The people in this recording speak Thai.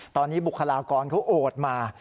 ตอนนี้บุคลากรเขาโอดมา